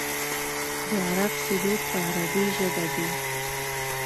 د عرب سرود په عربۍ ژبه دی.